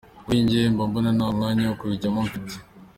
Kuri njye mba mbona nta mwanya wo kubijyamo mfite.